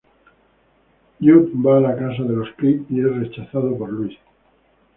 Jud va a la casa de los Creed y es rechazado por Louis.